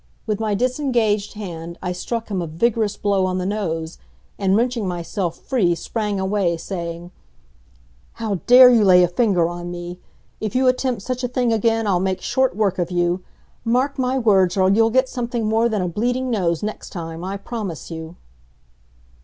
With my disengaged hand I struck him a vigorous blow on the nose, and wrenching myself free sprang away, saying, "How dare you lay a finger on me! If you attempt such a thing again I'll make short work of you. Mark my words, or you'll get something more than a bleeding nose next time, I promise you."